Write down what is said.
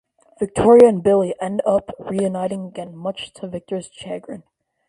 Victoria and Billy end up reuniting again, much to Victor's chagrin.